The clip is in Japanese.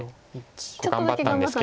ちょっとだけ頑張ったんですね。